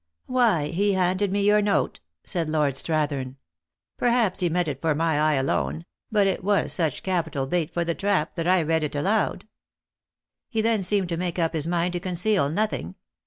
" Why, he handed me your note," said Lord Strath ern. " Perhaps he meant it for my eye alone ; but it was such capital bait for the trap, that I read it aloud. He then seemed to make up his mind to conceal nothing.